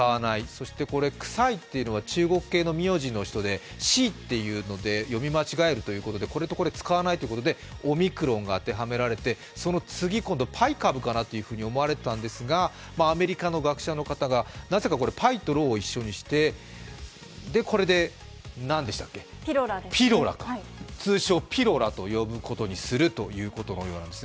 そしてクサイというのが中国系の名字の人でシーというのと読み間違えるということで、使わないということでオミクロンが当てはめられてその次、パイ株かなと思われたんですが、アメリカの学者がなぜかパイとローを一緒にして、通称ピロラと呼ぶことにするということです。